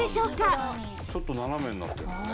ちょっと斜めになってるんだね。